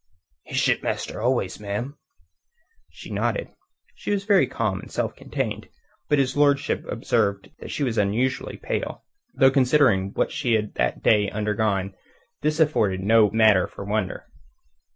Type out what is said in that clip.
"His shipmaster always, ma'am." She nodded. She was very calm and self contained; but his lordship observed that she was unusually pale, though considering what she had that day undergone this afforded no matter for wonder.